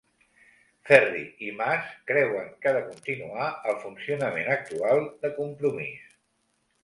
Ferri i Mas creuen que ha de continuar el funcionament actual de Compromís